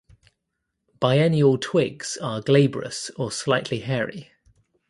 Biennial twigs are glabrous or slightly hairy.